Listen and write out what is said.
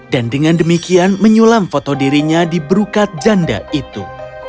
dan dengan demikian menyulam foto dirinya di berukat janda itu